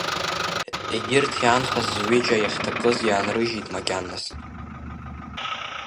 Егьырҭ иаанхаз ҩыџьа иахьҭакыз иаанрыжьит макьаназ.